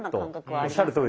おっしゃるとおりです。